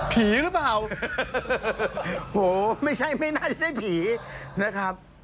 ผีหรือเปล่าโหไม่ใช่ไม่น่าจะใช่ผีนะครับ